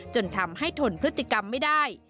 จนทำให้ทนพฤติกรรมไม่ได้